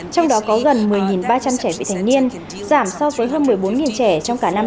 trong đó có gần một mươi ba trăm linh trẻ vị thành niên giảm so với hơn một mươi bốn trẻ trong cả năm hai nghìn một mươi